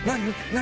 何？